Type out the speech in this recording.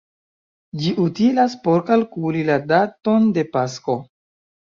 Ĝi utilas por kalkuli la daton de Pasko.